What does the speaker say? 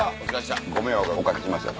ご迷惑おかけしました。